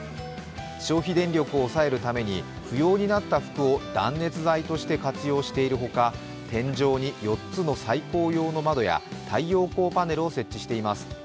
消費電力を抑えるために不要になった服を断熱材として使用しているほか天井に４つの採光用の窓や太陽光パネルを設置しています。